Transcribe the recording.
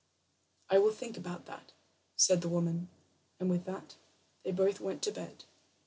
"I will think about that," said the woman, and with that they both went to bed.